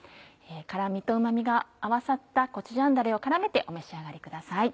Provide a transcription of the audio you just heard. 辛味とうま味が合わさったコチュジャンだれを絡めてお召し上がりください。